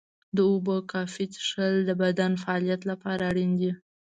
د اوبو کافي څښل د بدن د فعالیت لپاره اړین دي.